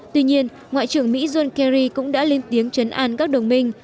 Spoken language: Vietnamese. tuy nhiên ngoại trưởng mỹ john kerry cũng đã lên tiếng chấn an các đồng minh